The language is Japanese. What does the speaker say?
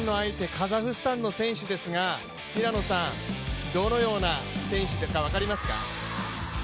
カザフスタンの選手ですが、どのような選手か分かりますか？